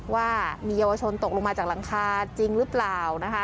ว่ามีเยาวชนตกลงมาจากหลังคาจริงหรือเปล่านะคะ